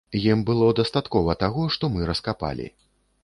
Ім было дастаткова таго, што мы раскапалі.